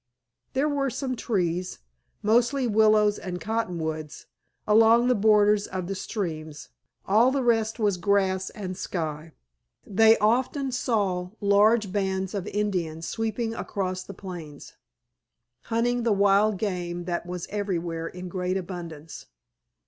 There were some trees, mostly willows and cottonwoods, along the borders of the streams, all the rest was grass and sky. They often saw large bands of Indians sweeping across the plains, hunting the wild game that was everywhere in great abundance.